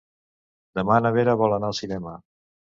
Demà na Vera vol anar al cinema.